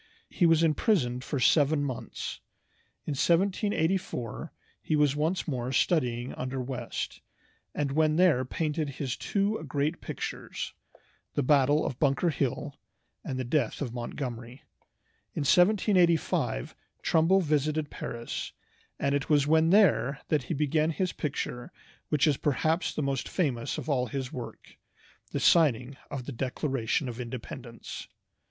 He was imprisoned for seven months. In 1784 he was once more studying under West, and when there painted his two great pictures, the "Battle of Bunker Hill," and the "Death of Montgomery." In 1785 Trumbull visited Paris, and it was when there that he began his picture which is perhaps the most famous of all his work, the signing of "The Declaration of Independence."